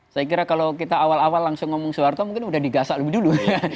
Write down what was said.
saya kira kalau kita awal awal langsung ngomong soeharto mungkin sudah digasak lebih dulu